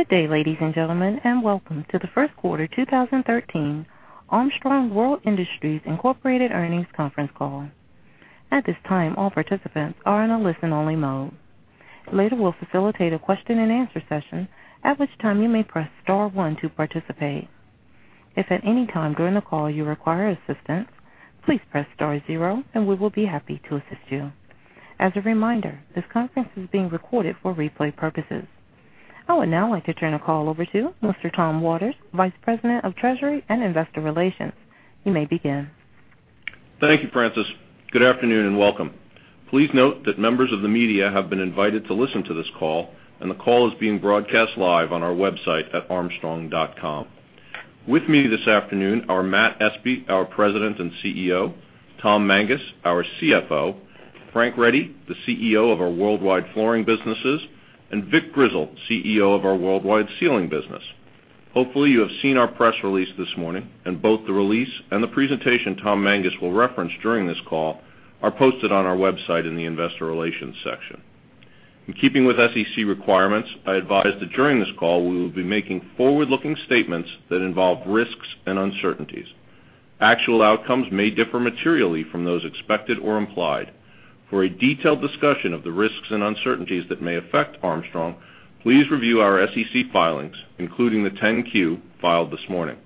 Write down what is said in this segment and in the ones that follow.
Good day, ladies and gentlemen, welcome to the first quarter 2013 Armstrong World Industries, Inc. earnings conference call. At this time, all participants are in a listen-only mode. Later, we will facilitate a question and answer session, at which time you may press star one to participate. If at any time during the call you require assistance, please press star zero and we will be happy to assist you. As a reminder, this conference is being recorded for replay purposes. I would now like to turn the call over to Mr. Tom Waters, Vice President of Treasury and Investor Relations. You may begin. Thank you, Francis. Good afternoon, welcome. Please note that members of the media have been invited to listen to this call, the call is being broadcast live on our website at armstrong.com. With me this afternoon are Matthew Espe, our President and CEO, Thomas Mangas, our CFO, Frank Ready, the CEO of our worldwide flooring businesses, and Vic Grizzle, CEO of our worldwide ceiling business. Hopefully, you have seen our press release this morning, both the release and the presentation Thomas Mangas will reference during this call are posted on our website in the investor relations section. In keeping with SEC requirements, I advise that during this call, we will be making forward-looking statements that involve risks and uncertainties. Actual outcomes may differ materially from those expected or implied. For a detailed discussion of the risks and uncertainties that may affect Armstrong, please review our SEC filings, including the 10-Q filed this morning.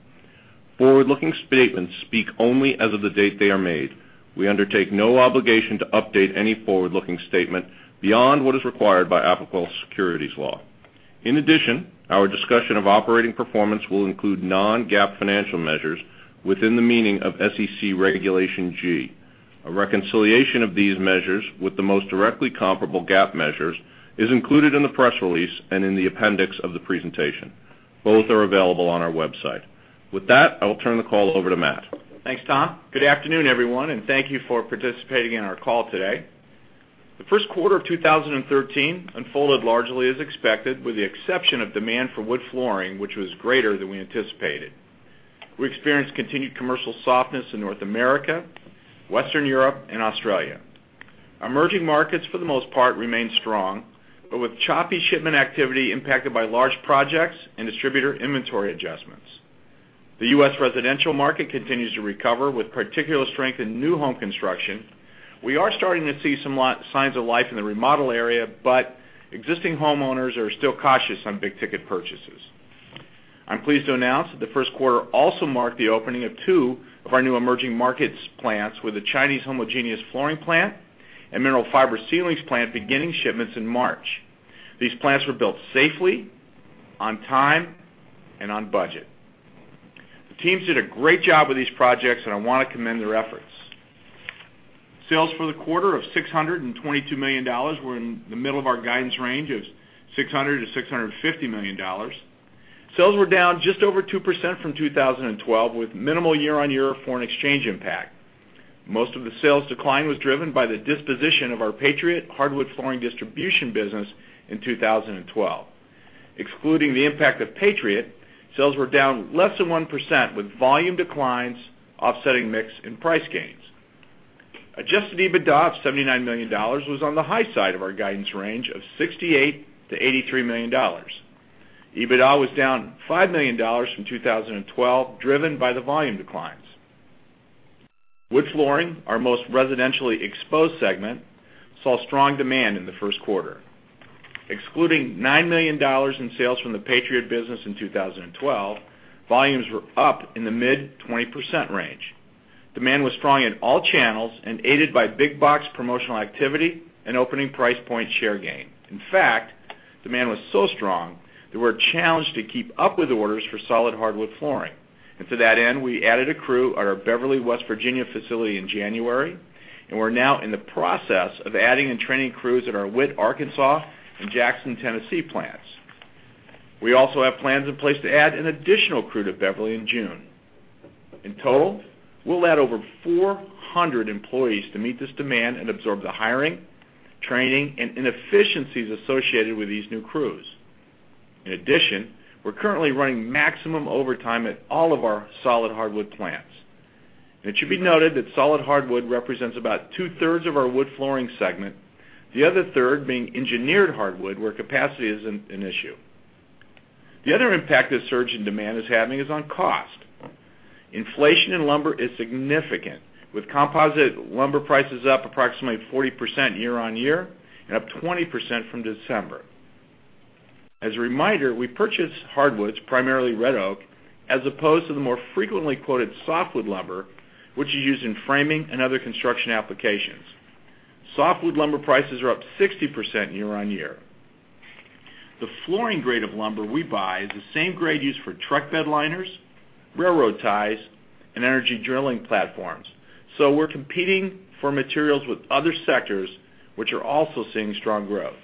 Forward-looking statements speak only as of the date they are made. We undertake no obligation to update any forward-looking statement beyond what is required by applicable securities law. In addition, our discussion of operating performance will include non-GAAP financial measures within the meaning of SEC Regulation G. A reconciliation of these measures with the most directly comparable GAAP measures is included in the press release and in the appendix of the presentation. Both are available on our website. With that, I will turn the call over to Matt. Thanks, Tom. Good afternoon, everyone, thank you for participating in our call today. The first quarter of 2013 unfolded largely as expected, with the exception of demand for wood flooring, which was greater than we anticipated. We experienced continued commercial softness in North America, Western Europe and Australia. Emerging markets, for the most part, remained strong, but with choppy shipment activity impacted by large projects and distributor inventory adjustments. The U.S. residential market continues to recover with particular strength in new home construction. We are starting to see some signs of life in the remodel area, but existing homeowners are still cautious on big-ticket purchases. I am pleased to announce that the first quarter also marked the opening of two of our new emerging markets plants, with the Chinese homogeneous flooring plant and mineral fiber ceilings plant beginning shipments in March. These plants were built safely, on time, and on budget. The teams did a great job with these projects, and I want to commend their efforts. Sales for the quarter of $622 million were in the middle of our guidance range of $600 million-$650 million. Sales were down just over 2% from 2012, with minimal year-on-year foreign exchange impact. Most of the sales decline was driven by the disposition of our Patriot Flooring Supply distribution business in 2012. Excluding the impact of Patriot, sales were down less than 1% with volume declines offsetting mix and price gains. Adjusted EBITDA of $79 million was on the high side of our guidance range of $68 million-$83 million. EBITDA was down $5 million from 2012, driven by the volume declines. Wood flooring, our most residentially exposed segment, saw strong demand in the first quarter. Excluding $9 million in sales from the Patriot business in 2012, volumes were up in the mid-20% range. Demand was strong in all channels and aided by big box promotional activity and opening price point share gain. In fact, demand was so strong that we were challenged to keep up with orders for solid hardwood flooring. To that end, we added a crew at our Beverly, West Virginia facility in January, and we're now in the process of adding and training crews at our Witt, Arkansas, and Jackson, Tennessee plants. We also have plans in place to add an additional crew to Beverly in June. In total, we'll add over 400 employees to meet this demand and absorb the hiring, training, and inefficiencies associated with these new crews. In addition, we're currently running maximum overtime at all of our solid hardwood plants. It should be noted that solid hardwood represents about two-thirds of our wood flooring segment, the other third being engineered hardwood, where capacity isn't an issue. The other impact this surge in demand is having is on cost. Inflation in lumber is significant, with composite lumber prices up approximately 40% year-on-year and up 20% from December. As a reminder, we purchase hardwoods, primarily red oak, as opposed to the more frequently quoted softwood lumber, which is used in framing and other construction applications. Softwood lumber prices are up 60% year-on-year. The flooring grade of lumber we buy is the same grade used for truck bed liners, railroad ties, and energy drilling platforms. We're competing for materials with other sectors, which are also seeing strong growth.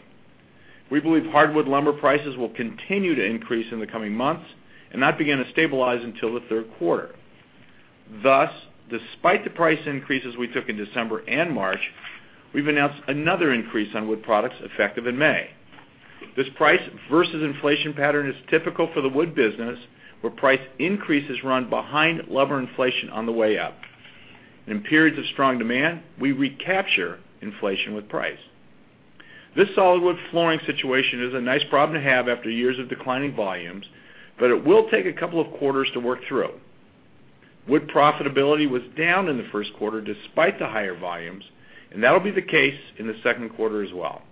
We believe hardwood lumber prices will continue to increase in the coming months and not begin to stabilize until the third quarter. Thus, despite the price increases we took in December and March, we've announced another increase on wood products effective in May. This price versus inflation pattern is typical for the wood business, where price increases run behind lumber inflation on the way up. In periods of strong demand, we recapture inflation with price. This solid wood flooring situation is a nice problem to have after years of declining volumes, but it will take a couple of quarters to work through. Wood profitability was down in the first quarter despite the higher volumes, and that'll be the case in the second quarter as well.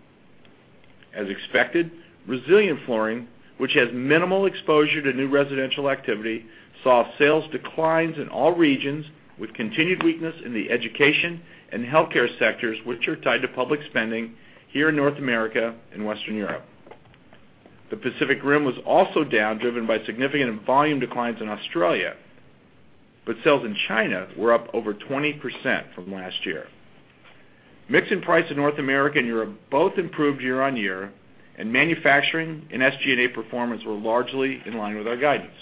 As expected, resilient flooring, which has minimal exposure to new residential activity, saw sales declines in all regions, with continued weakness in the education and healthcare sectors, which are tied to public spending here in North America and Western Europe. The Pacific Rim was also down, driven by significant volume declines in Australia, sales in China were up over 20% from last year. Mix and price in North America and Europe both improved year-on-year, manufacturing and SG&A performance were largely in line with our guidance.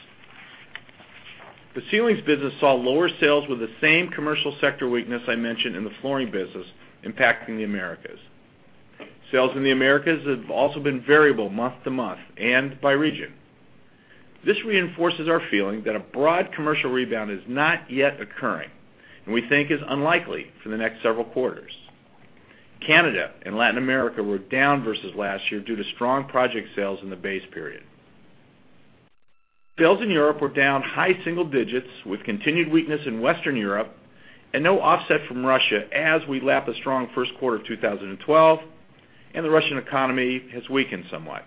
The ceilings business saw lower sales with the same commercial sector weakness I mentioned in the flooring business impacting the Americas. Sales in the Americas have also been variable month-to-month and by region. This reinforces our feeling that a broad commercial rebound is not yet occurring and we think is unlikely for the next several quarters. Canada and Latin America were down versus last year due to strong project sales in the base period. Sales in Europe were down high single digits with continued weakness in Western Europe and no offset from Russia as we lap a strong first quarter of 2012 and the Russian economy has weakened somewhat.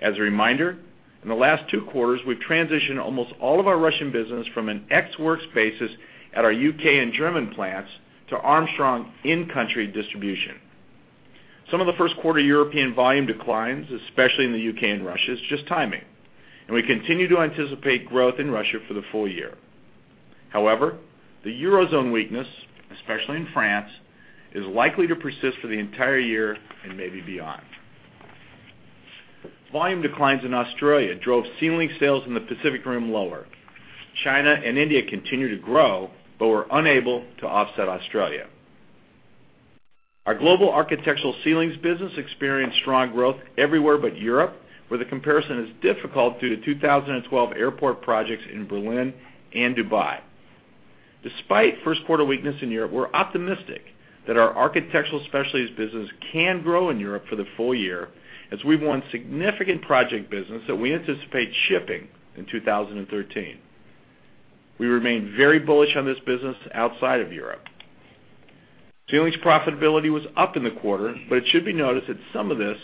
As a reminder, in the last two quarters, we've transitioned almost all of our Russian business from an ex-works basis at our U.K. and German plants to Armstrong in-country distribution. Some of the first quarter European volume declines, especially in the U.K. and Russia, is just timing, we continue to anticipate growth in Russia for the full year. However, the eurozone weakness, especially in France, is likely to persist for the entire year and maybe beyond. Volume declines in Australia drove ceiling sales in the Pacific Rim lower. China and India continue to grow, were unable to offset Australia. Our global architectural ceilings business experienced strong growth everywhere but Europe, where the comparison is difficult due to 2012 airport projects in Berlin and Dubai. Despite first quarter weakness in Europe, we're optimistic that our architectural specialist business can grow in Europe for the full year as we've won significant project business that we anticipate shipping in 2013. We remain very bullish on this business outside of Europe. Ceilings profitability was up in the quarter, it should be noted that some of this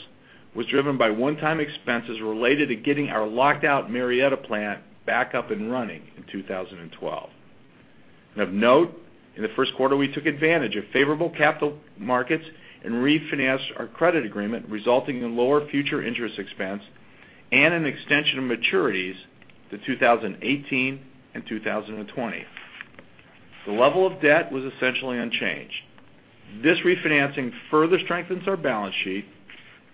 was driven by one-time expenses related to getting our locked-out Marietta plant back up and running in 2012. Of note, in the first quarter, we took advantage of favorable capital markets and refinanced our credit agreement, resulting in lower future interest expense and an extension of maturities to 2018 and 2020. The level of debt was essentially unchanged. This refinancing further strengthens our balance sheet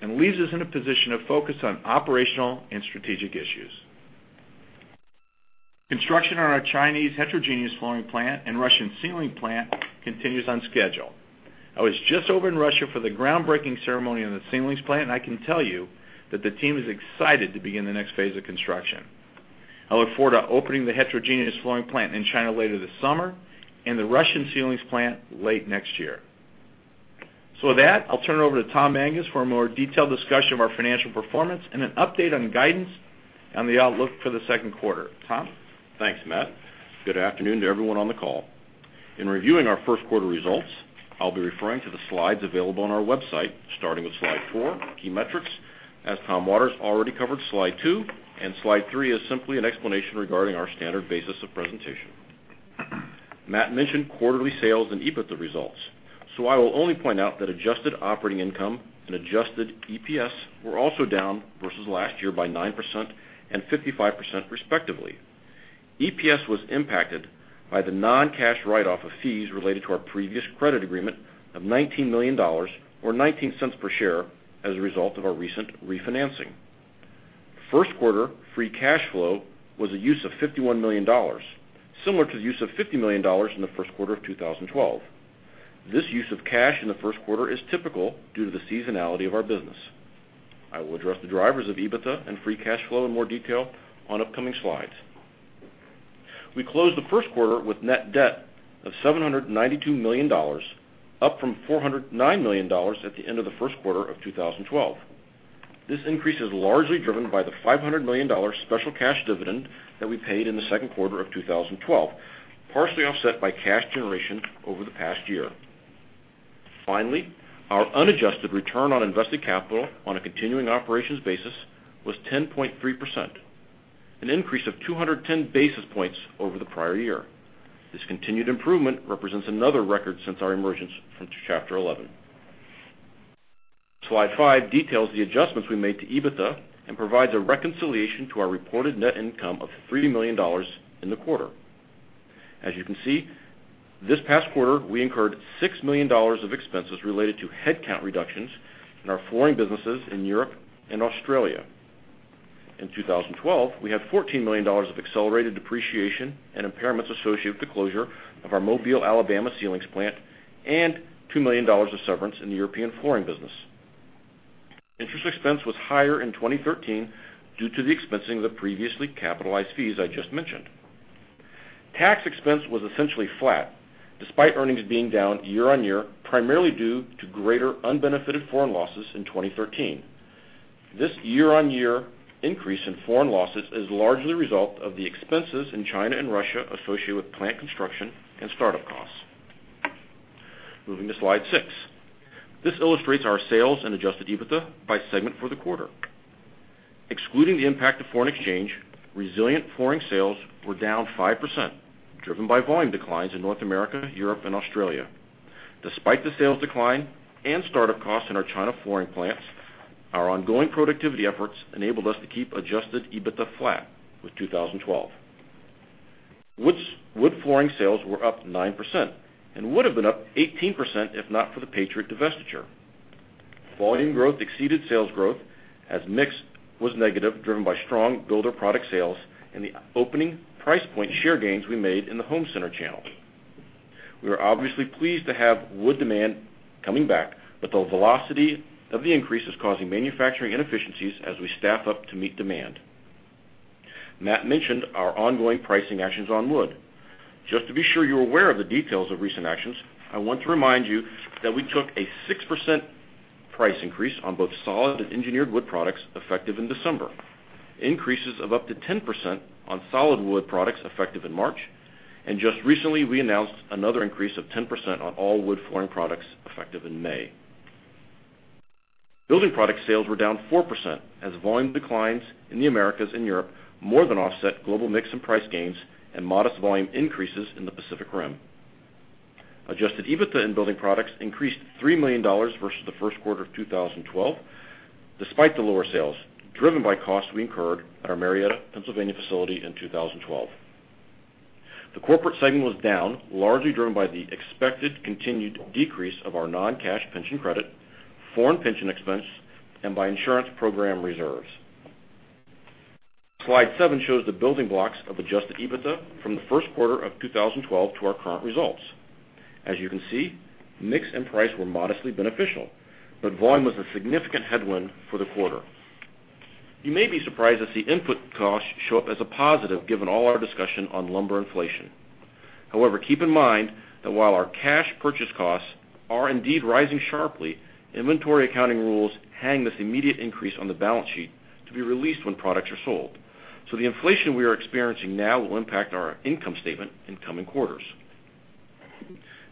and leaves us in a position of focus on operational and strategic issues. Construction on our Chinese heterogeneous flooring plant, Russian ceiling plant continues on schedule. I was just over in Russia for the groundbreaking ceremony on the ceilings plant, I can tell you that the team is excited to begin the next phase of construction. I look forward to opening the heterogeneous flooring plant in China later this summer and the Russian ceilings plant late next year. With that, I'll turn it over to Thomas Mangas for a more detailed discussion of our financial performance and an update on guidance on the outlook for the second quarter. Tom? Thanks, Matt. Good afternoon to everyone on the call. In reviewing our first quarter results, I will be referring to the slides available on our website, starting with slide four, key metrics, as Tom Waters already covered slide two, and slide three is simply an explanation regarding our standard basis of presentation. Matt mentioned quarterly sales and EBITDA results, so I will only point out that adjusted operating income and adjusted EPS were also down versus last year by 9% and 55% respectively. EPS was impacted by the non-cash write-off of fees related to our previous credit agreement of $19 million, or $0.19 per share, as a result of our recent refinancing. First quarter free cash flow was a use of $51 million, similar to the use of $50 million in the first quarter of 2012. This use of cash in the first quarter is typical due to the seasonality of our business. I will address the drivers of EBITDA and free cash flow in more detail on upcoming slides. We closed the first quarter with net debt of $792 million, up from $409 million at the end of the first quarter of 2012. This increase is largely driven by the $500 million special cash dividend that we paid in the second quarter of 2012, partially offset by cash generation over the past year. Finally, our unadjusted return on invested capital on a continuing operations basis was 10.3%, an increase of 210 basis points over the prior year. This continued improvement represents another record since our emergence from Chapter 11. Slide five details the adjustments we made to EBITDA and provides a reconciliation to our reported net income of $3 million in the quarter. You can see, this past quarter, we incurred $6 million of expenses related to headcount reductions in our flooring businesses in Europe and Australia. In 2012, we had $14 million of accelerated depreciation and impairments associated with the closure of our Mobile, Alabama ceilings plant and $2 million of severance in the European flooring business. Interest expense was higher in 2013 due to the expensing of the previously capitalized fees I just mentioned. Tax expense was essentially flat despite earnings being down year-on-year, primarily due to greater unbenefited foreign losses in 2013. This year-on-year increase in foreign losses is largely the result of the expenses in China and Russia associated with plant construction and startup costs. Moving to slide six. This illustrates our sales and adjusted EBITDA by segment for the quarter. Excluding the impact of foreign exchange, resilient flooring sales were down 5%, driven by volume declines in North America, Europe and Australia. Despite the sales decline and startup costs in our China flooring plants, our ongoing productivity efforts enabled us to keep adjusted EBITDA flat with 2012. Wood flooring sales were up 9% and would have been up 18% if not for the Patriot divestiture. Volume growth exceeded sales growth as mix was negative, driven by strong builder product sales and the opening price point share gains we made in the home center channel. We are obviously pleased to have wood demand coming back, but the velocity of the increase is causing manufacturing inefficiencies as we staff up to meet demand. Matt mentioned our ongoing pricing actions on wood. Just to be sure you're aware of the details of recent actions, I want to remind you that we took a 6% price increase on both solid and engineered wood products effective in December, increases of up to 10% on solid wood products effective in March, and just recently, we announced another increase of 10% on all wood flooring products effective in May. Building product sales were down 4% as volume declines in the Americas and Europe more than offset global mix and price gains and modest volume increases in the Pacific Rim. Adjusted EBITDA in building products increased $3 million versus the first quarter of 2012, despite the lower sales, driven by costs we incurred at our Marietta, Pennsylvania, facility in 2012. The corporate segment was down, largely driven by the expected continued decrease of our non-cash pension credit, foreign pension expense, and by insurance program reserves. Slide seven shows the building blocks of adjusted EBITDA from the first quarter of 2012 to our current results. As you can see, mix and price were modestly beneficial, but volume was a significant headwind for the quarter. You may be surprised that the input costs show up as a positive given all our discussion on lumber inflation. However, keep in mind that while our cash purchase costs are indeed rising sharply, inventory accounting rules hang this immediate increase on the balance sheet to be released when products are sold. The inflation we are experiencing now will impact our income statement in coming quarters.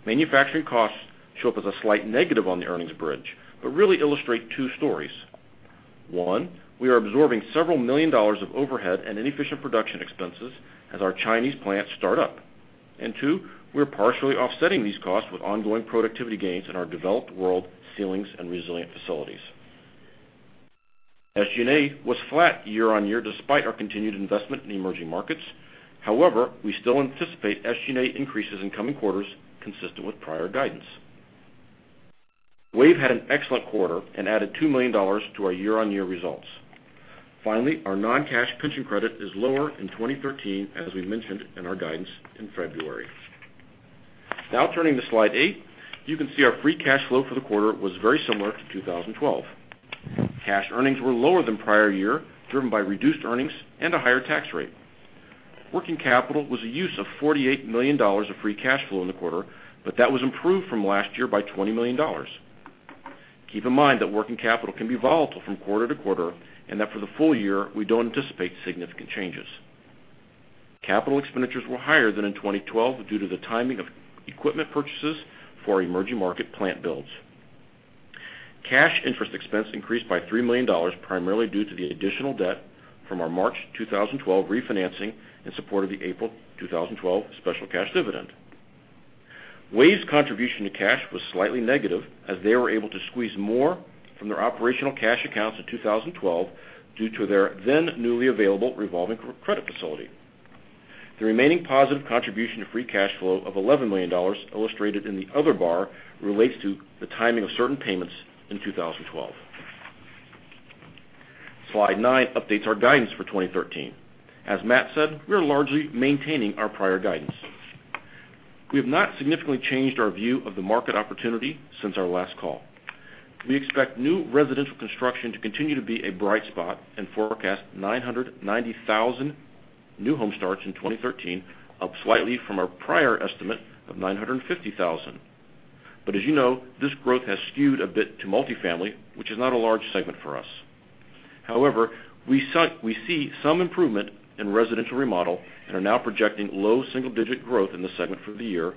Manufacturing costs show up as a slight negative on the earnings bridge, but really illustrate two stories. One, we are absorbing several million dollars of overhead and inefficient production expenses as our Chinese plants start up, and two, we're partially offsetting these costs with ongoing productivity gains in our developed world ceilings and resilient facilities. SG&A was flat year-on-year despite our continued investment in emerging markets. However, we still anticipate SG&A increases in coming quarters consistent with prior guidance. WAVE had an excellent quarter and added $2 million to our year-on-year results. Finally, our non-cash pension credit is lower in 2013, as we mentioned in our guidance in February. Turning to slide eight. You can see our free cash flow for the quarter was very similar to 2012. Cash earnings were lower than prior year, driven by reduced earnings and a higher tax rate. Working capital was a use of $48 million of free cash flow in the quarter, but that was improved from last year by $20 million. Keep in mind that working capital can be volatile from quarter to quarter and that for the full year, we don't anticipate significant changes. Capital expenditures were higher than in 2012 due to the timing of equipment purchases for our emerging market plant builds. Cash interest expense increased by $3 million, primarily due to the additional debt from our March 2012 refinancing in support of the April 2012 special cash dividend. WAVE's contribution to cash was slightly negative, as they were able to squeeze more from their operational cash accounts in 2012 due to their then newly available revolving credit facility. The remaining positive contribution to free cash flow of $11 million illustrated in the other bar relates to the timing of certain payments in 2012. Slide nine updates our guidance for 2013. As Matt said, we are largely maintaining our prior guidance. We have not significantly changed our view of the market opportunity since our last call. We expect new residential construction to continue to be a bright spot and forecast 990,000 new home starts in 2013, up slightly from our prior estimate of 950,000. As you know, this growth has skewed a bit to multifamily, which is not a large segment for us. However, we see some improvement in residential remodel and are now projecting low single-digit growth in the segment for the year,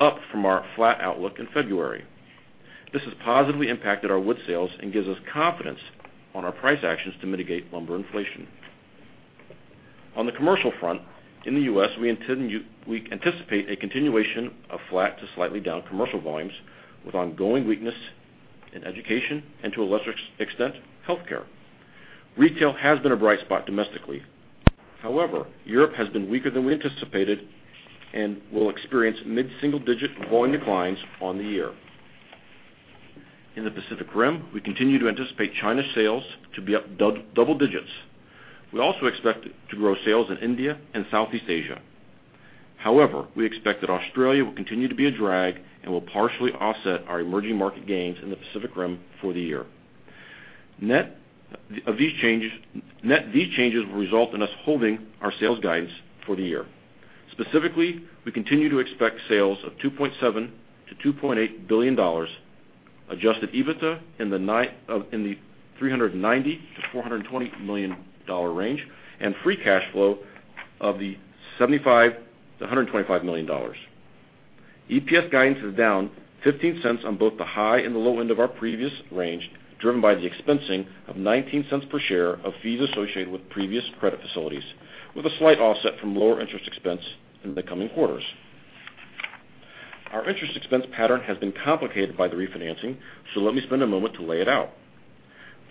up from our flat outlook in February. This has positively impacted our wood sales and gives us confidence on our price actions to mitigate lumber inflation. On the commercial front, in the U.S., we anticipate a continuation of flat to slightly down commercial volumes with ongoing weakness in education and, to a lesser extent, healthcare. Retail has been a bright spot domestically. However, Europe has been weaker than we anticipated and will experience mid-single-digit volume declines on the year. In the Pacific Rim, we continue to anticipate China sales to be up double digits. We also expect to grow sales in India and Southeast Asia. However, we expect that Australia will continue to be a drag and will partially offset our emerging market gains in the Pacific Rim for the year. Net, these changes will result in us holding our sales guidance for the year. Specifically, we continue to expect sales of $2.7 billion-$2.8 billion, adjusted EBITDA in the $390 million-$420 million range, and free cash flow of the $75 million-$125 million. EPS guidance is down $0.15 on both the high and the low end of our previous range, driven by the expensing of $0.19 per share of fees associated with previous credit facilities, with a slight offset from lower interest expense in the coming quarters. Our interest expense pattern has been complicated by the refinancing. Let me spend a moment to lay it out.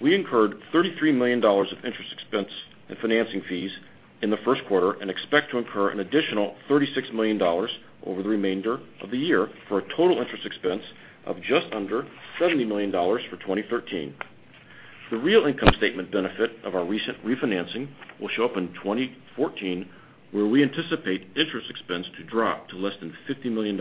We incurred $33 million of interest expense and financing fees in the first quarter and expect to incur an additional $36 million over the remainder of the year, for a total interest expense of just under $70 million for 2013. The real income statement benefit of our recent refinancing will show up in 2014, where we anticipate interest expense to drop to less than $50 million.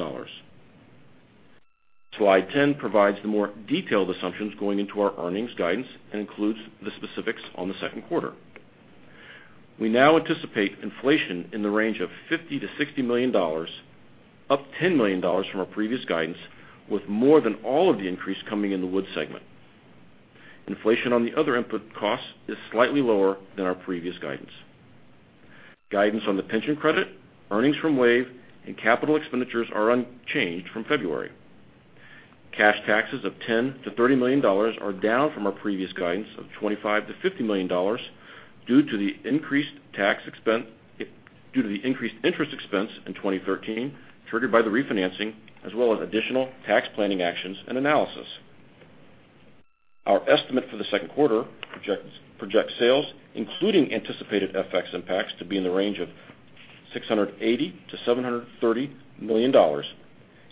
Slide 10 provides the more detailed assumptions going into our earnings guidance and includes the specifics on the second quarter. We now anticipate inflation in the range of $50 million-$60 million, up $10 million from our previous guidance, with more than all of the increase coming in the wood segment. Inflation on the other input costs is slightly lower than our previous guidance. Guidance on the pension credit, earnings from WAVE, and capital expenditures are unchanged from February. Cash taxes of $10 million-$30 million are down from our previous guidance of $25 million-$50 million due to the increased interest expense in 2013 triggered by the refinancing, as well as additional tax planning actions and analysis. Our estimate for the second quarter projects sales, including anticipated FX impacts, to be in the range of $680 million-$730 million.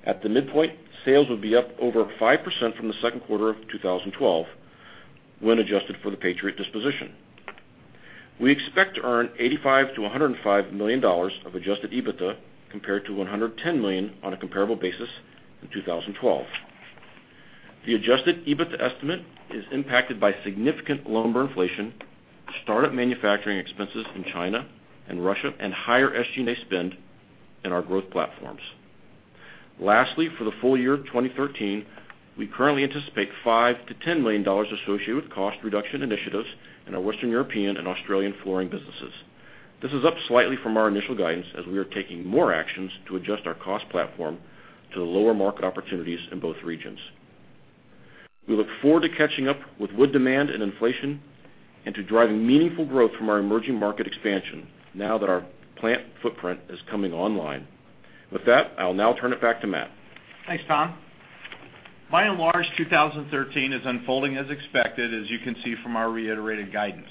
At the midpoint, sales will be up over 5% from the second quarter of 2012 when adjusted for the Patriot disposition. We expect to earn $85 million-$105 million of adjusted EBITDA, compared to $110 million on a comparable basis in 2012. The adjusted EBITDA estimate is impacted by significant lumber inflation, start-up manufacturing expenses in China and Russia, and higher SG&A spend in our growth platforms. Lastly, for the full year of 2013, we currently anticipate $5 million-$10 million associated with cost reduction initiatives in our Western European and Australian flooring businesses. This is up slightly from our initial guidance, as we are taking more actions to adjust our cost platform to the lower market opportunities in both regions. We look forward to catching up with wood demand and inflation and to driving meaningful growth from our emerging market expansion now that our plant footprint is coming online. With that, I'll now turn it back to Matt. Thanks, Tom. By and large, 2013 is unfolding as expected, as you can see from our reiterated guidance.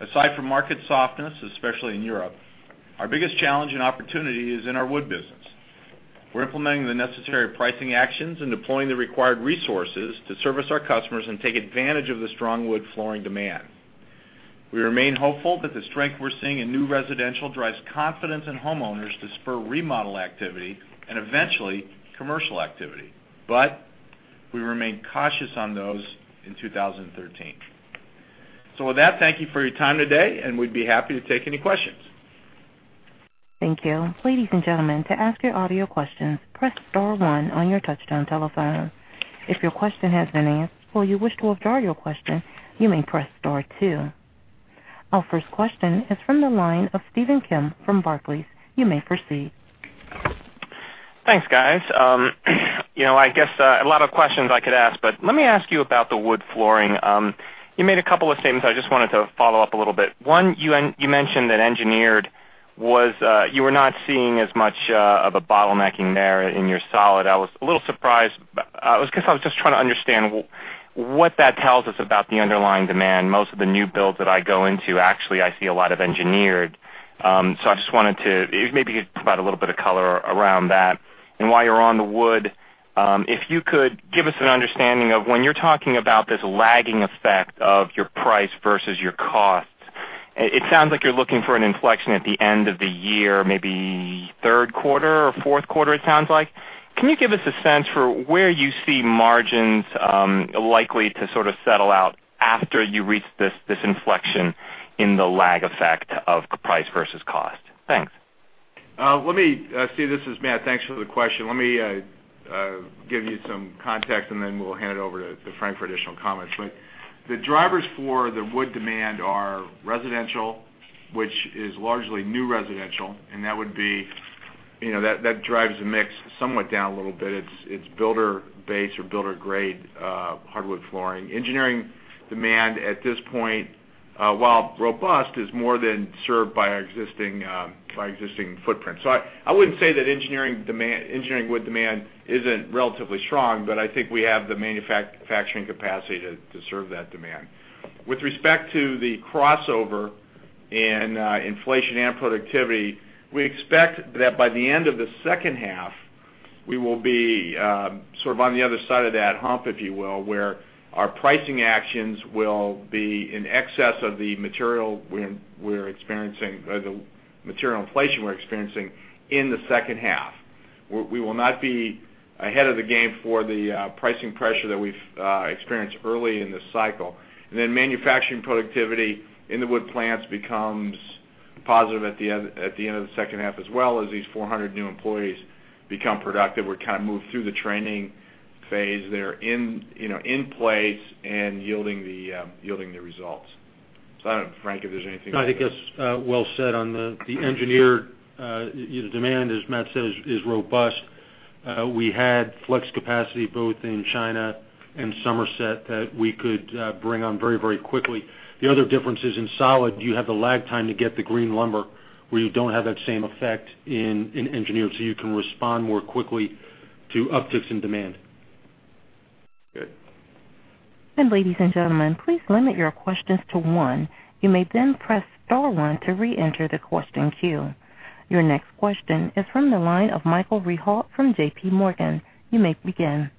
Aside from market softness, especially in Europe, our biggest challenge and opportunity is in our wood business. We're implementing the necessary pricing actions and deploying the required resources to service our customers and take advantage of the strong wood flooring demand. We remain hopeful that the strength we're seeing in new residential drives confidence in homeowners to spur remodel activity and eventually commercial activity. We remain cautious on those in 2013. With that, thank you for your time today, and we'd be happy to take any questions. Thank you. Ladies and gentlemen, to ask your audio questions, press star one on your touch-tone telephone. If your question has been answered or you wish to withdraw your question, you may press star two. Our first question is from the line of Stephen Kim from Barclays. You may proceed. Thanks, guys. I guess a lot of questions I could ask, but let me ask you about the wood flooring. You made a couple of statements I just wanted to follow up a little bit. One, you mentioned that engineered, you were not seeing as much of a bottlenecking there in your solid. I was a little surprised. I was just trying to understand what that tells us about the underlying demand. Most of the new builds that I go into, actually, I see a lot of engineered. I just wanted to maybe get a little bit of color around that. While you're on the wood, if you could give us an understanding of when you're talking about this lagging effect of your price versus your cost. It sounds like you're looking for an inflection at the end of the year, maybe third quarter or fourth quarter, it sounds like. Can you give us a sense for where you see margins likely to sort of settle out after you reach this inflection in the lag effect of price versus cost? Thanks. Steve, this is Matt. Thanks for the question. Let me give you some context, and then we'll hand it over to Frank for additional comments. The drivers for the wood demand are residential, which is largely new residential, and that drives the mix somewhat down a little bit. It's builder base or builder-grade hardwood flooring. Engineering demand at this point, while robust, is more than served by our existing footprint. I wouldn't say that engineering wood demand isn't relatively strong, but I think we have the manufacturing capacity to serve that demand. With respect to the crossover in inflation and productivity, we expect that by the end of the second half, we will be sort of on the other side of that hump, if you will, where our pricing actions will be in excess of the material inflation we're experiencing in the second half. We will not be ahead of the game for the pricing pressure that we've experienced early in this cycle. Then manufacturing productivity in the wood plants becomes positive at the end of the second half as well as these 400 new employees become productive. We're kind of moved through the training phase. They're in place and yielding the results. I don't know, Frank, if there's anything. No, I think that's well said on the engineered. The demand, as Matt said, is robust. We had flex capacity both in China and Somerset that we could bring on very, very quickly. The other difference is in solid, you have the lag time to get the green lumber, where you don't have that same effect in engineered, so you can respond more quickly to upticks in demand. Good. Ladies and gentlemen, please limit your questions to one. You may then press star one to reenter the question queue. Your next question is from the line of Michael Rehaut from J.P. Morgan. You may begin.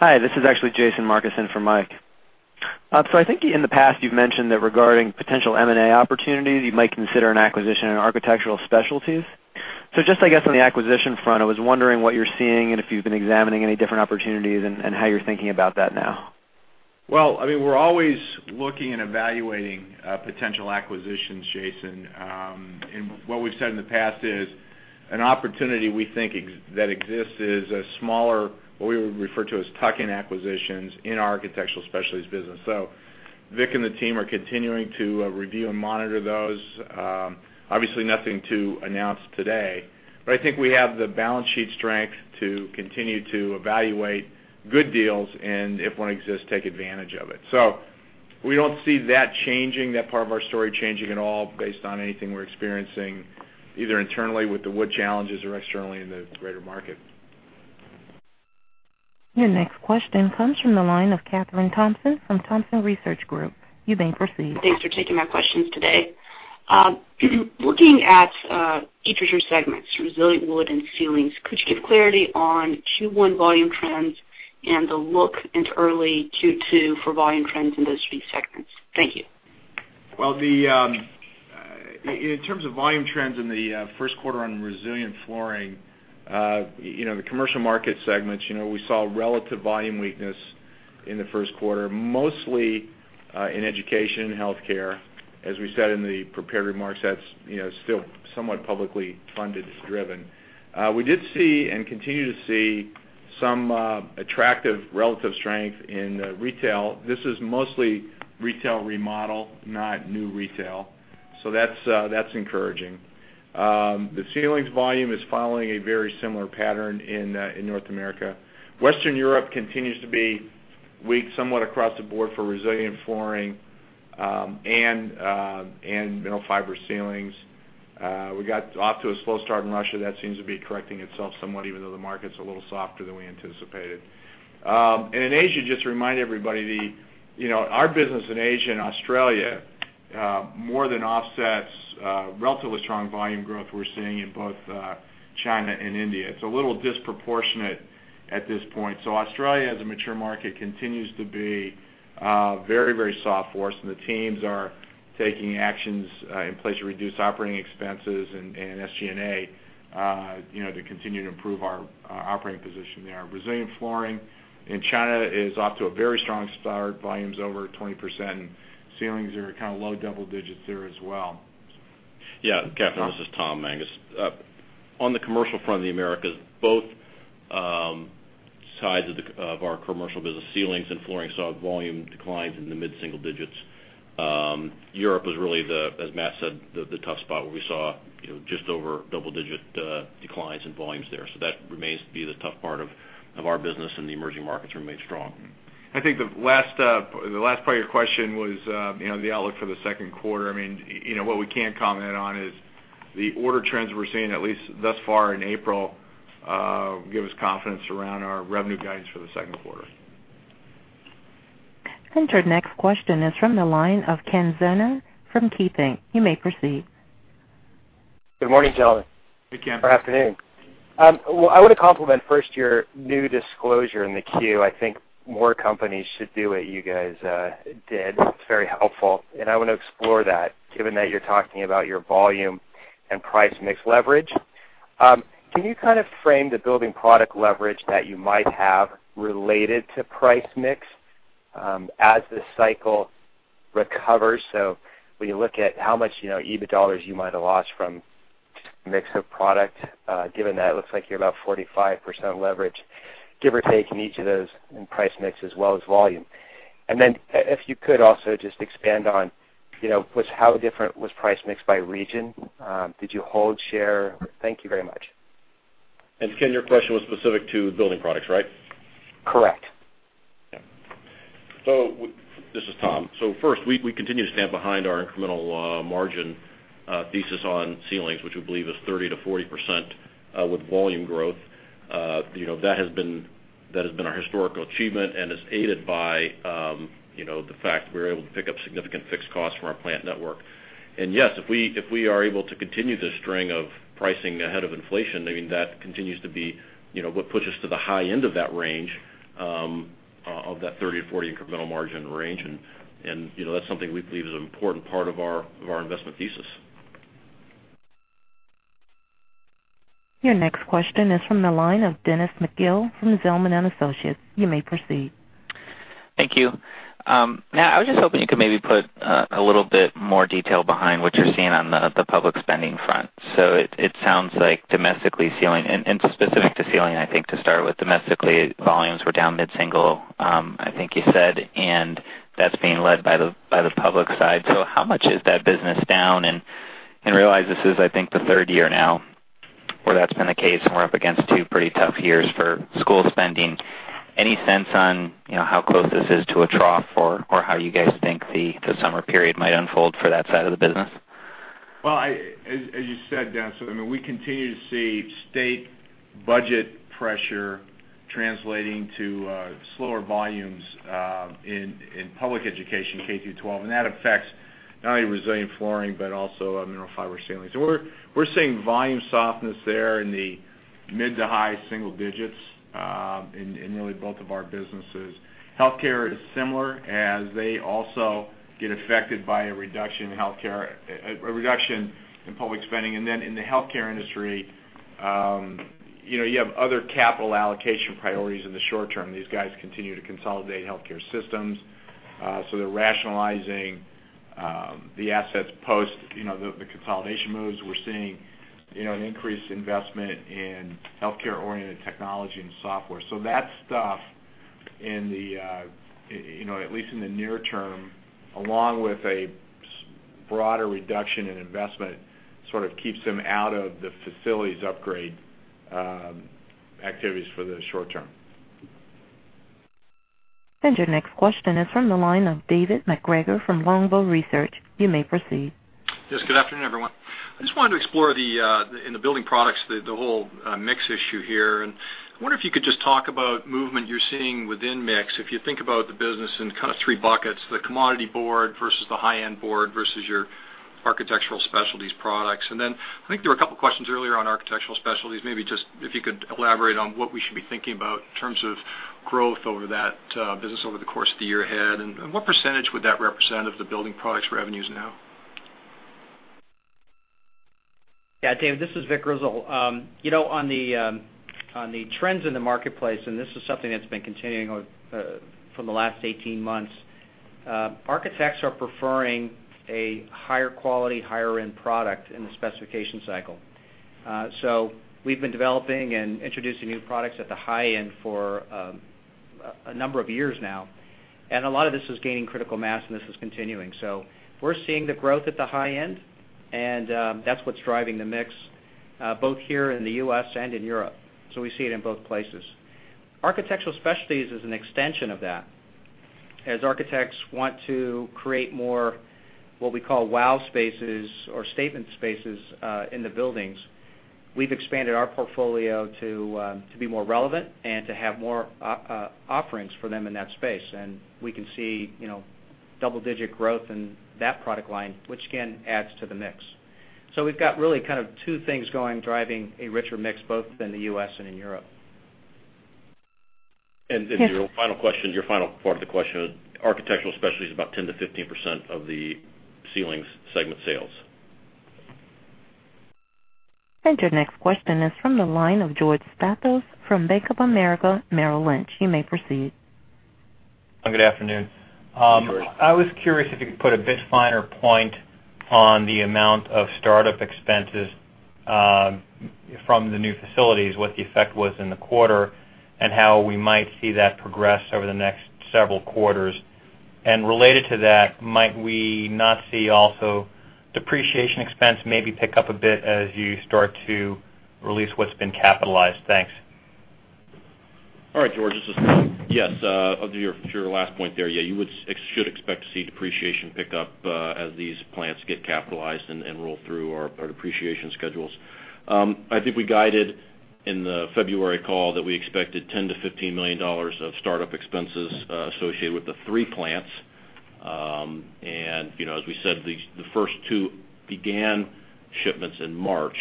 Hi, this is actually Jason Markison for Mike. I think in the past, you've mentioned that regarding potential M&A opportunities, you might consider an acquisition in Architectural Specialties. Just, I guess, on the acquisition front, I was wondering what you're seeing and if you've been examining any different opportunities and how you're thinking about that now. Well, we're always looking and evaluating potential acquisitions, Jason. What we've said in the past is, an opportunity we think that exists is a smaller, what we would refer to as tuck-in acquisitions in our Architectural Specialties business. Vic and the team are continuing to review and monitor those. Obviously, nothing to announce today, but I think we have the balance sheet strength to continue to evaluate good deals and if one exists, take advantage of it. We don't see that changing, that part of our story changing at all based on anything we're experiencing, either internally with the wood challenges or externally in the greater market. Your next question comes from the line of Kathryn Thompson from Thompson Research Group. You may proceed. Thanks for taking my questions today. Looking at each of your segments, resilient wood and ceilings, could you give clarity on Q1 volume trends and the look into early Q2 for volume trends in those three segments? Thank you. Well, in terms of volume trends in the first quarter on resilient flooring, the commercial market segments, we saw relative volume weakness in the first quarter, mostly in education and healthcare. As we said in the prepared remarks, that's still somewhat publicly funded driven. We did see and continue to see some attractive relative strength in retail. This is mostly retail remodel, not new retail. That's encouraging. The ceilings volume is following a very similar pattern in North America. Western Europe continues to be weak somewhat across the board for resilient flooring and mineral fiber ceilings. We got off to a slow start in Russia. That seems to be correcting itself somewhat, even though the market's a little softer than we anticipated. In Asia, just to remind everybody, our business in Asia and Australia more than offsets relatively strong volume growth we're seeing in both China and India. It's a little disproportionate at this point. Australia, as a mature market, continues to be very, very soft for us, and the teams are taking actions in place to reduce operating expenses and SG&A to continue to improve our operating position there. Resilient flooring in China is off to a very strong start. Volume's over 20%, and ceilings are kind of low double digits there as well. Yeah, Kathryn, this is Thomas Mangas. On the commercial front of the Americas, both sides of our commercial business, ceilings and flooring, saw volume declines in the mid-single digits. Europe was really the, as Matt said, the tough spot where we saw just over double-digit declines in volumes there. That remains to be the tough part of our business, and the emerging markets remain strong. I think the last part of your question was the outlook for the second quarter. What we can comment on is the order trends we're seeing, at least thus far in April, give us confidence around our revenue guidance for the second quarter. Our next question is from the line of Ken Zener from KeyBanc. You may proceed. Good morning, gentlemen. Hey, Ken. Afternoon. I want to compliment first your new disclosure in the queue. I think more companies should do what you guys did. It's very helpful. I want to explore that given that you're talking about your volume and price mix leverage. Can you kind of frame the building product leverage that you might have related to price mix as this cycle recovers? When you look at how much EBIT dollars you might have lost from mix of product, given that it looks like you're about 45% leverage, give or take in each of those in price mix as well as volume. Then if you could also just expand on how different was price mix by region. Did you hold share? Thank you very much. Ken, your question was specific to building products, right? Correct. Yeah. This is Tom. First, we continue to stand behind our incremental margin thesis on ceilings, which we believe is 30%-40% with volume growth. That has been That has been our historical achievement and is aided by the fact that we were able to pick up significant fixed costs from our plant network. Yes, if we are able to continue this string of pricing ahead of inflation, that continues to be what puts us to the high end of that range, of that 30-40 incremental margin range, and that's something we believe is an important part of our investment thesis. Your next question is from the line of Dennis McGill from the Zelman & Associates. You may proceed. Thank you. I was just hoping you could maybe put a little bit more detail behind what you're seeing on the public spending front. It sounds like domestically, ceiling, and specific to ceiling, I think to start with, domestically, volumes were down mid-single, I think you said, and that's being led by the public side. How much is that business down? I realize this is, I think, the third year now where that's been the case, and we're up against two pretty tough years for school spending. Any sense on how close this is to a trough or how you guys think the summer period might unfold for that side of the business? Well, as you said, Dennis, we continue to see state budget pressure translating to slower volumes in public education K through 12. That affects not only resilient flooring but also mineral fiber ceilings. We're seeing volume softness there in the mid to high single digits in really both of our businesses. Healthcare is similar, as they also get affected by a reduction in public spending. In the healthcare industry, you have other capital allocation priorities in the short term. These guys continue to consolidate healthcare systems. They're rationalizing the assets post the consolidation moves. We're seeing an increased investment in healthcare-oriented technology and software. That stuff, at least in the near term, along with a broader reduction in investment, sort of keeps them out of the facilities upgrade activities for the short term. Your next question is from the line of David MacGregor from Longbow Research. You may proceed. Yes, good afternoon, everyone. I just wanted to explore in the building products, the whole mix issue here. I wonder if you could just talk about movement you're seeing within mix. If you think about the business in kind of three buckets, the commodity board versus the high-end board versus your Architectural Specialties products. Then I think there were a couple of questions earlier on Architectural Specialties, maybe just if you could elaborate on what we should be thinking about in terms of growth over that business over the course of the year ahead, and what % would that represent of the building products revenues now? Yeah. David, this is Vic Grizzle. On the trends in the marketplace, this is something that's been continuing on from the last 18 months, architects are preferring a higher quality, higher-end product in the specification cycle. We've been developing and introducing new products at the high end for a number of years now. A lot of this is gaining critical mass, and this is continuing. We're seeing the growth at the high end, and that's what's driving the mix, both here in the U.S. and in Europe. We see it in both places. Architectural Specialties is an extension of that. As architects want to create more what we call wow spaces or statement spaces in the buildings, we've expanded our portfolio to be more relevant and to have more offerings for them in that space. We can see double-digit growth in that product line, which again adds to the mix. We've got really kind of two things going, driving a richer mix both within the U.S. and in Europe. To your final part of the question, Architectural Specialties are about 10%-15% of the Ceilings segment sales. Your next question is from the line of George Staphos from Bank of America Merrill Lynch. You may proceed. Good afternoon. Hey, George. I was curious if you could put a bit finer point on the amount of startup expenses from the new facilities, what the effect was in the quarter, and how we might see that progress over the next several quarters. Related to that, might we not see also depreciation expense maybe pick up a bit as you start to release what's been capitalized? Thanks. All right, George Staphos. Yes. To your last point there, you should expect to see depreciation pick up as these plants get capitalized and roll through our depreciation schedules. I think I guided in the February call that I expected $10 million-$15 million of startup expenses associated with the three plants. As we said, the first two began shipments in March,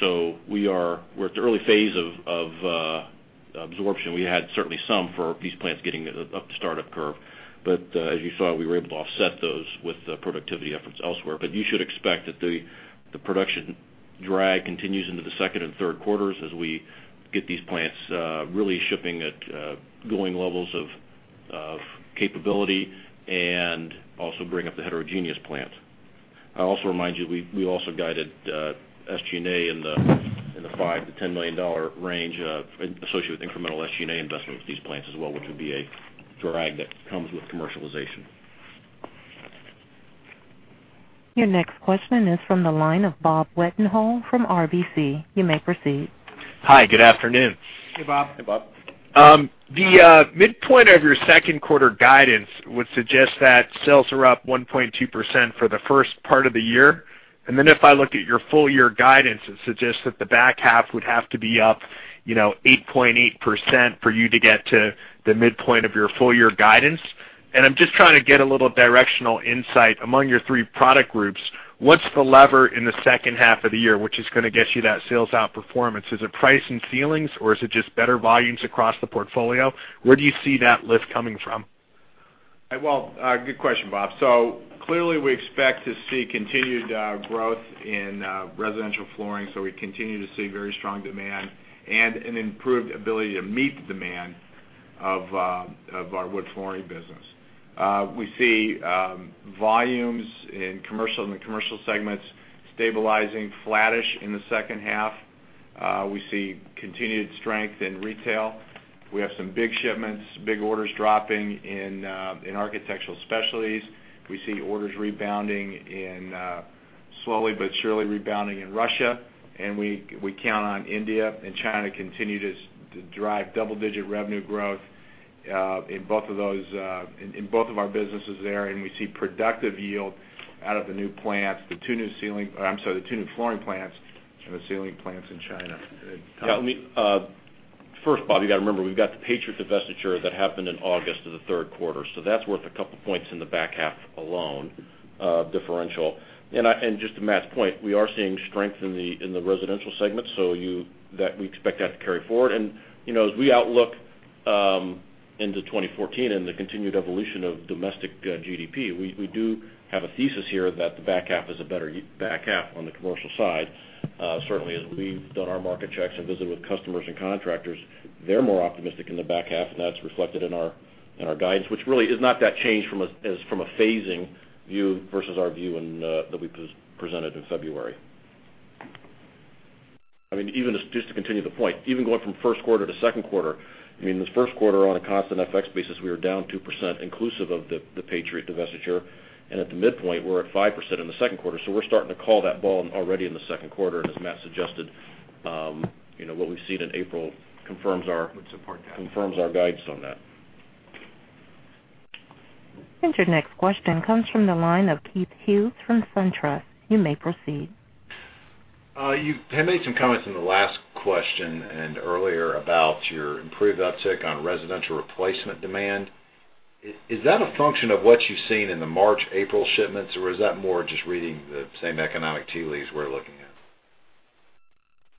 so we're at the early phase of absorption. We had certainly some for these plants getting up the startup curve. As you saw, we were able to offset those with productivity efforts elsewhere. You should expect that the production drag continues into the second and third quarters as we get these plants really shipping at going levels of capability and also bring up the heterogeneous plant. I also remind you, we also guided SG&A in the $5 million-$10 million range associated with incremental SG&A investments for these plants as well, which would be a drag that comes with commercialization. Your next question is from the line of Robert Wetenhall from RBC. You may proceed. Hi, good afternoon. Hey, Bob. Hey, Bob. The midpoint of your second quarter guidance would suggest that sales are up 1.2% for the first part of the year. If I look at your full-year guidance, it suggests that the back half would have to be up 8.8% for you to get to the midpoint of your full-year guidance. I'm just trying to get a little directional insight among your three product groups. What's the lever in the second half of the year, which is going to get you that sales outperformance? Is it pricing in ceilings, or is it just better volumes across the portfolio? Where do you see that lift coming from? Well, good question, Bob. Clearly, we expect to see continued growth in residential flooring. We continue to see very strong demand and an improved ability to meet the demand of our wood flooring business. We see volumes in the commercial segments stabilizing, flattish in the second half. We see continued strength in retail. We have some big shipments, big orders dropping in Architectural Specialties. We see orders slowly but surely rebounding in Russia. We count on India and China to continue to drive double-digit revenue growth in both of our businesses there. We see productive yield out of the new plants, the two new flooring plants and the ceiling plants in China. First, Bob, you've got to remember, we've got the Patriot divestiture that happened in August of the third quarter. That's worth a couple of points in the back half alone, differential. Just to Matt's point, we are seeing strength in the residential segment, we expect that to carry forward. As we outlook into 2014 and the continued evolution of domestic GDP, we do have a thesis here that the back half is a better back half on the commercial side. Certainly, as we've done our market checks and visited with customers and contractors, they're more optimistic in the back half, and that's reflected in our guidance, which really is not that changed from a phasing view versus our view that we presented in February. Just to continue the point, even going from first quarter to second quarter, this first quarter on a constant FX basis, we were down 2% inclusive of the Patriot divestiture. At the midpoint, we're at 5% in the second quarter. We're starting to call that ball already in the second quarter. As Matt suggested, what we've seen in April confirms our- Would support that confirms our guidance on that. Your next question comes from the line of Keith Hughes from SunTrust. You may proceed. You had made some comments in the last question and earlier about your improved uptick on residential replacement demand. Is that a function of what you've seen in the March, April shipments, or is that more just reading the same economic tea leaves we're looking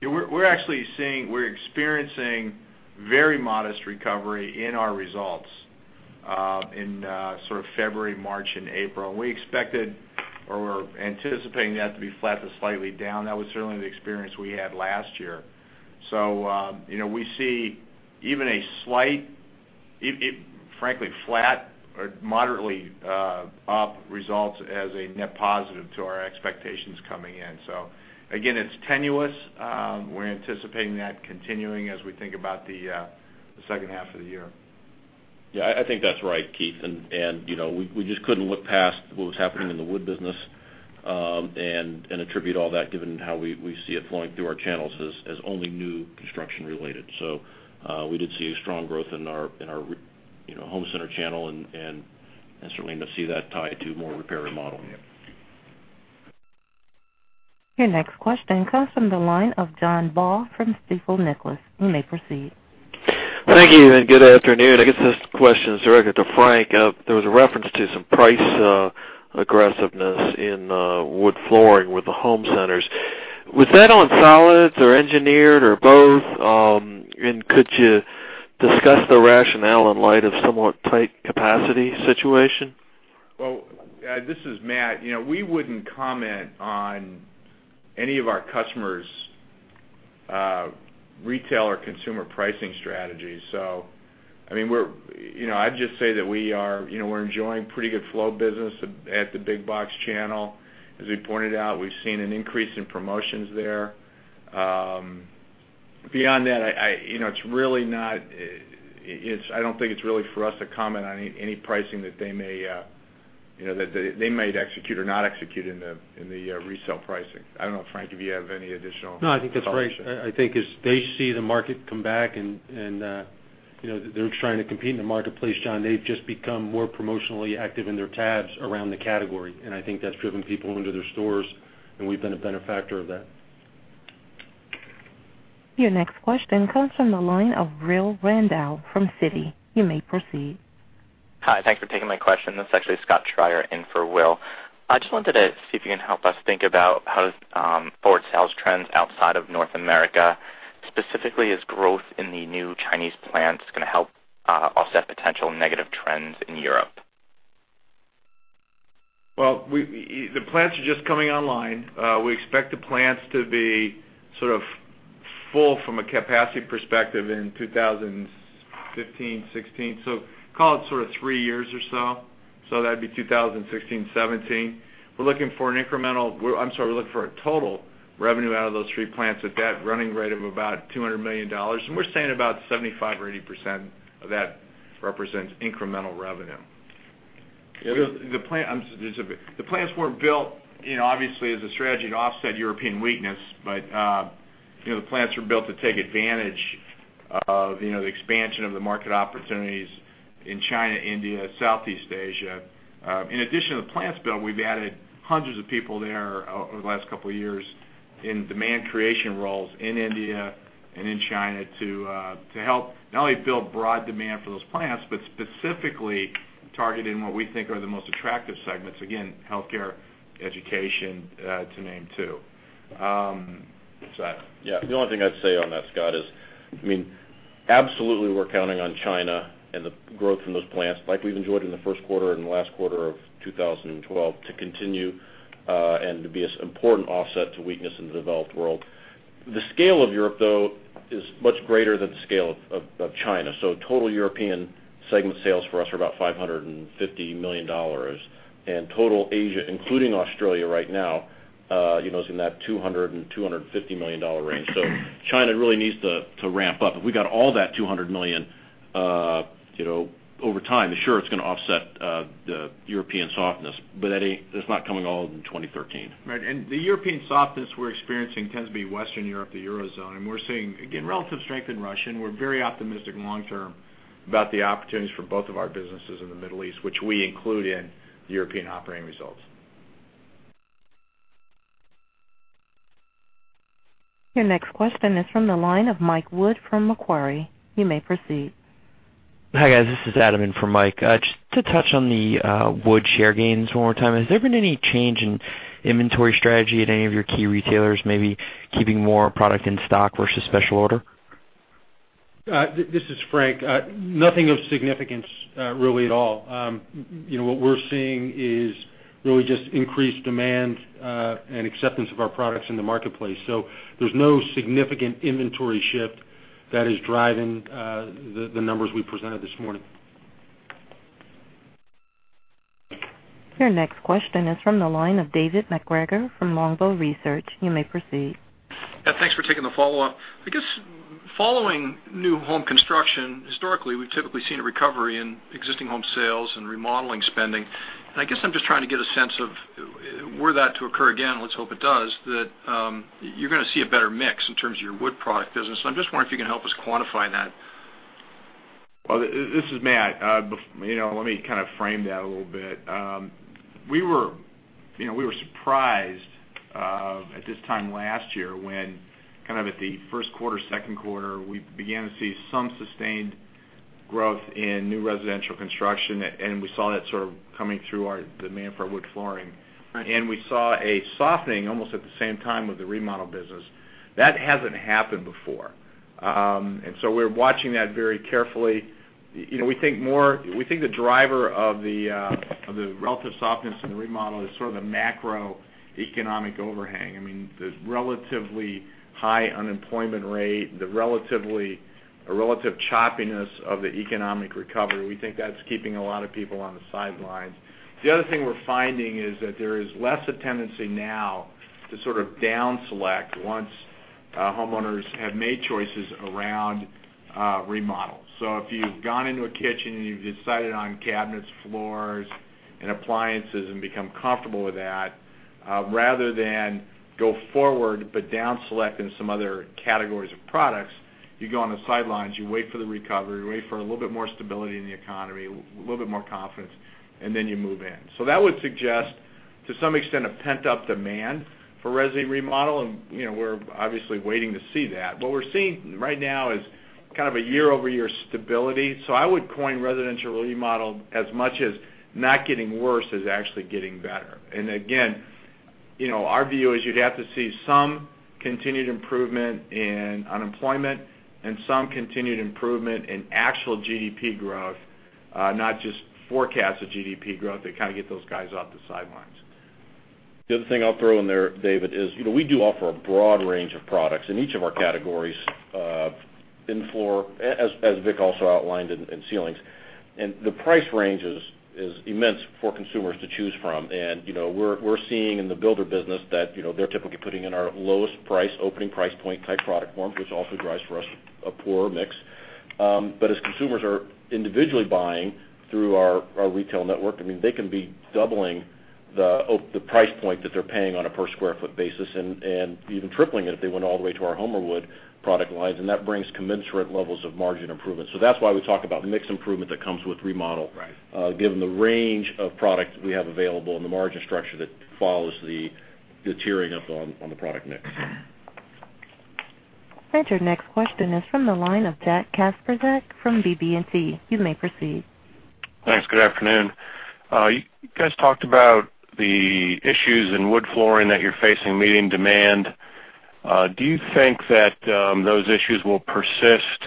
at? We're experiencing very modest recovery in our results in sort of February, March, and April. We expected, or we're anticipating that to be flat to slightly down. That was certainly the experience we had last year. We see even a slight, frankly, flat or moderately up results as a net positive to our expectations coming in. Again, it's tenuous. We're anticipating that continuing as we think about the second half of the year. Yeah, I think that's right, Keith. We just couldn't look past what was happening in the wood business, and attribute all that given how we see it flowing through our channels as only new construction related. We did see a strong growth in our home center channel and certainly see that tied to more repair and remodel. Your next question comes from the line of John Baugh from Stifel Nicolaus. You may proceed. Thank you, and good afternoon. I guess this question is directed to Frank. There was a reference to some price aggressiveness in wood flooring with the home centers. Was that on solids or engineered or both? Could you discuss the rationale in light of somewhat tight capacity situation? Well, this is Matt. We wouldn't comment on any of our customers' retail or consumer pricing strategies. I'd just say that we're enjoying pretty good flow business at the big box channel. As we pointed out, we've seen an increase in promotions there. Beyond that, I don't think it's really for us to comment on any pricing that they might execute or not execute in the resale pricing. I don't know, Frank, if you have any additional- No, I think that's right. I think as they see the market come back, and they're trying to compete in the marketplace, John, they've just become more promotionally active in their tabs around the category. I think that's driven people into their stores, and we've been a benefactor of that. Your next question comes from the line of Will Randow from Citi. You may proceed. Hi, thanks for taking my question. This is actually Scott Schrier in for Will. I just wanted to see if you can help us think about how does forward sales trends outside of North America, specifically, is growth in the new Chinese plants going to help offset potential negative trends in Europe? The plants are just coming online. We expect the plants to be sort of full from a capacity perspective in 2015, 2016. Call it sort of three years or so. That'd be 2016, 2017. We're looking for a total revenue out of those three plants at that running rate of about $200 million. We're saying about 75% or 80% of that represents incremental revenue. The plants weren't built, obviously, as a strategy to offset European weakness, the plants were built to take advantage of the expansion of the market opportunities in China, India, Southeast Asia. In addition to the plants built, we've added hundreds of people there over the last couple of years in demand creation roles in India and in China to help not only build broad demand for those plants, but specifically targeting what we think are the most attractive segments, again, healthcare, education, to name two. Scott? Yeah. The only thing I'd say on that, Scott, is absolutely, we're counting on China and the growth from those plants, like we've enjoyed in the first quarter and the last quarter of 2012, to continue and to be an important offset to weakness in the developed world. The scale of Europe, though, is much greater than the scale of China. Total European segment sales for us are about $550 million. Total Asia, including Australia right now, is in that $200 million-$250 million range. China really needs to ramp up. If we got all that $200 million over time, sure, it's going to offset the European softness. That's not coming all in 2013. Right. The European softness we're experiencing tends to be Western Europe, the Eurozone, we're seeing, again, relative strength in Russia, we're very optimistic long term- About the opportunities for both of our businesses in the Middle East, which we include in the European operating results. Your next question is from the line of Mike Wood from Macquarie. You may proceed. Hi, guys. This is Adam in for Mike. Just to touch on the wood share gains one more time, has there been any change in inventory strategy at any of your key retailers, maybe keeping more product in stock versus special order? This is Frank. Nothing of significance really at all. What we're seeing is really just increased demand and acceptance of our products in the marketplace. There's no significant inventory shift that is driving the numbers we presented this morning. Your next question is from the line of David MacGregor from Longbow Research. You may proceed. Yeah, thanks for taking the follow-up. I guess following new home construction, historically, we've typically seen a recovery in existing home sales and remodeling spending. I guess I'm just trying to get a sense of were that to occur again, let's hope it does, that you're going to see a better mix in terms of your wood product business, and I'm just wondering if you can help us quantify that. Well, this is Matt. Let me kind of frame that a little bit. We were surprised at this time last year when kind of at the first quarter, second quarter, we began to see some sustained growth in new residential construction, and we saw that sort of coming through our demand for our wood flooring. Right. We saw a softening almost at the same time with the remodel business. That hasn't happened before. So we're watching that very carefully. We think the driver of the relative softness in the remodel is sort of the macroeconomic overhang. I mean, the relatively high unemployment rate, the relative choppiness of the economic recovery. We think that's keeping a lot of people on the sidelines. The other thing we're finding is that there is less a tendency now to sort of down select once homeowners have made choices around remodels. If you've gone into a kitchen and you've decided on cabinets, floors, and appliances and become comfortable with that, rather than go forward, but down select in some other categories of products, you go on the sidelines, you wait for the recovery, you wait for a little bit more stability in the economy, a little bit more confidence, then you move in. That would suggest, to some extent, a pent-up demand for resi remodel, and we're obviously waiting to see that. What we're seeing right now is kind of a year-over-year stability. I would coin residential remodel as much as not getting worse as actually getting better. Again, our view is you'd have to see some continued improvement in unemployment and some continued improvement in actual GDP growth, not just forecasts of GDP growth to kind of get those guys off the sidelines. The other thing I'll throw in there, David, is we do offer a broad range of products in each of our categories, in floor, as Vic also outlined, and ceilings. The price range is immense for consumers to choose from, and we're seeing in the builder business that they're typically putting in our lowest price, opening price point type product forms, which also drives for us a poorer mix. As consumers are individually buying through our retail network, they can be doubling the price point that they're paying on a per square foot basis and even tripling it if they went all the way to our HomerWood product lines, and that brings commensurate levels of margin improvement. That's why we talk about the mix improvement that comes with remodel- Right given the range of products we have available and the margin structure that follows the tiering up on the product mix. Right, your next question is from the line of John-Paul Kasprzak from BB&T. You may proceed. Thanks. Good afternoon. You guys talked about the issues in wood flooring that you're facing meeting demand. Do you think that those issues will persist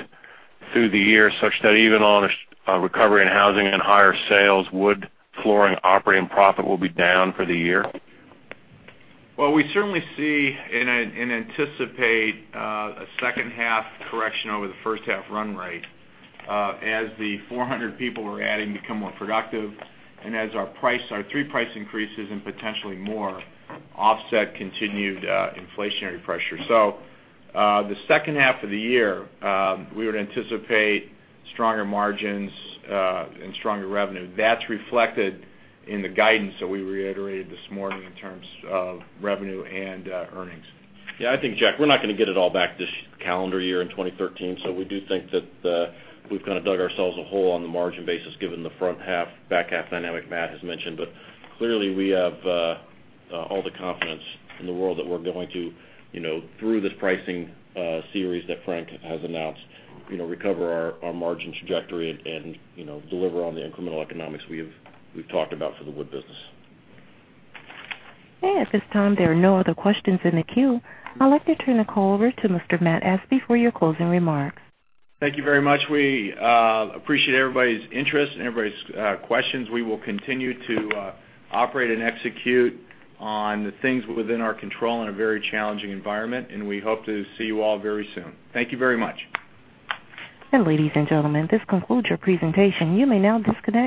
through the year such that even on a recovery in housing and higher sales, wood flooring operating profit will be down for the year? Well, we certainly see and anticipate a second half correction over the first half run rate as the 400 people we're adding become more productive and as our three price increases, and potentially more, offset continued inflationary pressure. The second half of the year, we would anticipate stronger margins and stronger revenue. That's reflected in the guidance that we reiterated this morning in terms of revenue and earnings. Yeah, I think, Jack, we're not going to get it all back this calendar year in 2013. We do think that we've kind of dug ourselves a hole on the margin basis given the front half, back half dynamic Matt has mentioned. Clearly, we have all the confidence in the world that we're going to, through this pricing series that Frank has announced, recover our margin trajectory and deliver on the incremental economics we've talked about for the wood business. Okay, at this time, there are no other questions in the queue. I'd like to turn the call over to Mr. Matthew Espe for your closing remarks. Thank you very much. We appreciate everybody's interest and everybody's questions. We will continue to operate and execute on the things within our control in a very challenging environment. We hope to see you all very soon. Thank you very much. Ladies and gentlemen, this concludes your presentation. You may now disconnect.